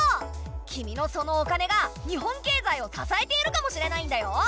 君のそのお金が日本経済を支えているかもしれないんだよ。